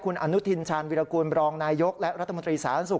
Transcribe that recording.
คุณอนุทินชาญวิรากูลบรองนายยกและรัฐมนตรีสาธารณสุข